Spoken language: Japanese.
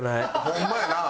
ホンマやな。